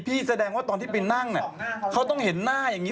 แสดงว่าตอนที่ไปนั่งเขาต้องเห็นหน้าอย่างนี้